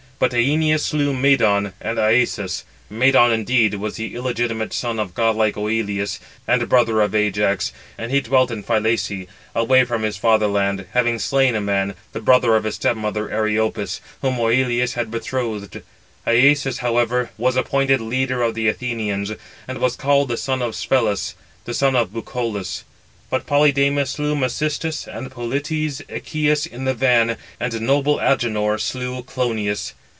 But Æneas slew Medon and Iasus: Medon indeed was the illegitimate son of godlike Oïleus, and brother of Ajax; and he dwelt in Phylace, away from his father land, having slain a man, the brother of his stepmother Eriopis, whom Oïleus had betrothed. Iasus, however, was appointed leader of the Athenians, and was called the son of Sphelus, the son of Bucolus. But Polydamas slew Mecistis, and Polites Echius, in the van, and noble Agenor slew Klonius.